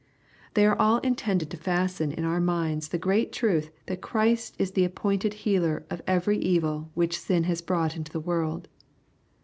They are all intended to fasten in our minds the great truth that Christ is the appointed Healer of every evil which sin has brought into the world.